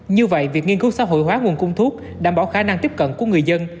như vậy việc nghiên cứu xã hội hóa nguồn cung thuốc đảm bảo khả năng tiếp cận của người dân